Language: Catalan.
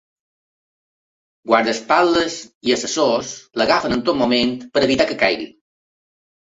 Guardaespatlles i assessors l’agafen en tot moment per a evitar que caigui.